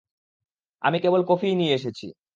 আমি কেবল কফিই নিয়ে এসেছি।